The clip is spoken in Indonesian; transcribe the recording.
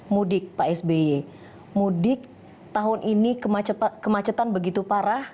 mudik pak sby mudik tahun ini kemacetan begitu parah